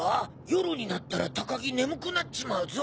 夜になったら高木眠くなっちまうぞ。